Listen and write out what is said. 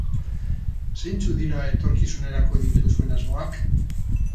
Zeintzuk dira etorkizunerako dituzuen asmoak?